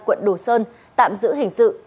quận đồ sơn tạm giữ hình sự